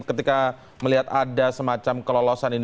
ketika melihat ada semacam kelolosan ini